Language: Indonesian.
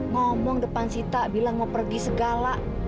ngomong depan sita bilang mau pergi segala